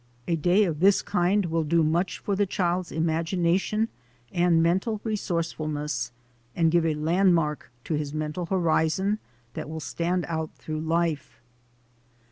A day of this kind will do much for the child's imagination and mental resourcefulness, and give a landmark to his mental horizon that will stand out througli life.